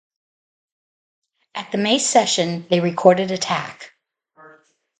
At the May session, they recorded Attack!!!